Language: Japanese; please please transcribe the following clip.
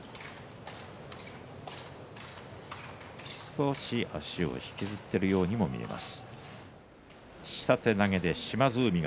少し足を引きずっているように見えます、島津海です。